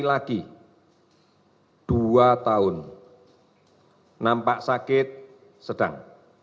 chwengadj tiga tahun nampak sakit ringan sedang